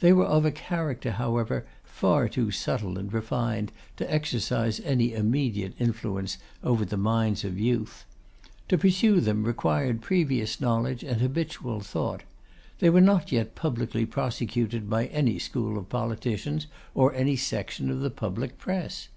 They were of a character, however, far too subtile and refined to exercise any immediate influence over the minds of youth. To pursue them required previous knowledge and habitual thought. They were not yet publicly prosecuted by any school of politicians, or any section of the public press.